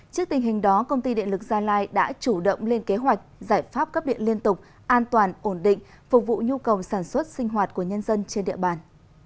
trước tình hình đó công ty điện lực gia lai đã chủ động lên kế hoạch giải pháp cấp điện liên tục an toàn ổn định phục vụ nhu cầu sản xuất sinh hoạt của nhân dân trên địa bàn